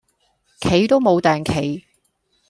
企都無碇企